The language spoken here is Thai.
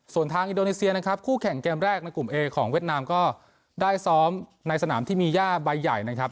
ส่วนทางอินโดนีเซียนะครับคู่แข่งเกมแรกในกลุ่มเอของเวียดนามก็ได้ซ้อมในสนามที่มีย่าใบใหญ่นะครับ